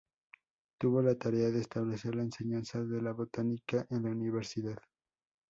Tuvo la tarea de establecer la enseñanza de la botánica en la universidad.